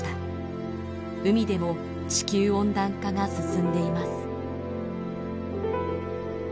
海でも地球温暖化が進んでいます。